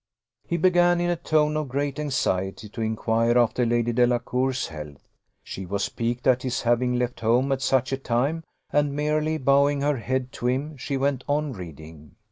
He began in a tone of great anxiety to inquire after Lady Delacour's health. She was piqued at his having left home at such a time, and, merely bowing her head to him, she went on reading.